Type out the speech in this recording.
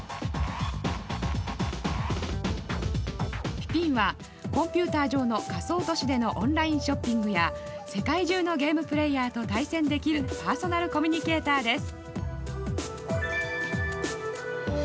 ピピンはコンピューター上の仮想都市でのオンラインショッピングや世界中のゲームプレーヤーと対戦できるパーソナルコミュニケーターです。